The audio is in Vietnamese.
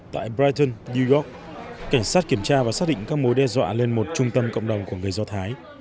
tại brigon new york cảnh sát kiểm tra và xác định các mối đe dọa lên một trung tâm cộng đồng của người do thái